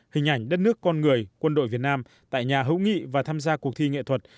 hình ảnh đất nước con người quân đội việt nam tại nhà hữu nghị và tham gia cuộc thi nghệ thuật